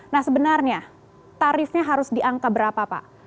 nah sebenarnya tarifnya harus diangka berapa pak